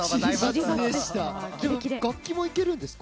楽器もいけるんですか？